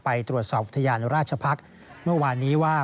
ไปตรวจสอบอุทยานราชพักษ์เมื่อวานนี้ว่า